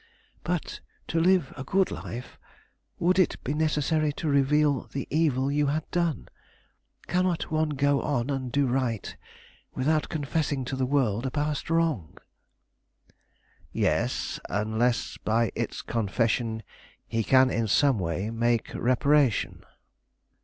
"But to live a good life would it be necessary to reveal the evil you had done? Cannot one go on and do right without confessing to the world a past wrong?" "Yes, unless by its confession he can in some way make reparation."